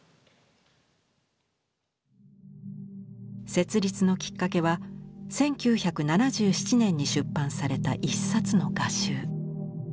設立のきっかけは１９７７年に出版された一冊の画集。